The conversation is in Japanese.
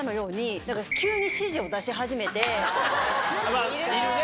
まぁいるね